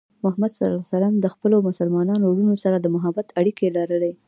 محمد صلى الله عليه وسلم د خپلو مسلمانو وروڼو سره د محبت اړیکې لرلې.